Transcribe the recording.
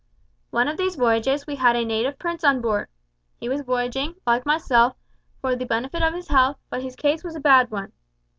On one of these voyages we had a native prince on board. He was voyaging, like myself, for the benefit of his health, but his case was a bad one.